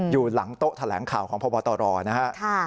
อยู่หลังโต๊ะแถลงข่าวของพบตรนะครับ